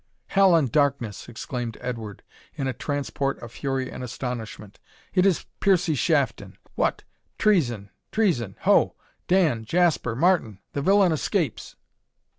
"Hell and darkness!" exclaimed Edward, in a transport of fury and astonishment, "it is Piercie Shafton What! treason! treason! ho! Dan Jasper Martin the villain escapes!"